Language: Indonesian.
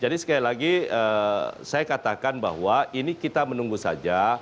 jadi sekali lagi saya katakan bahwa ini kita menunggu saja